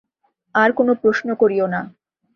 আর কোন প্রশ্ন করিও না।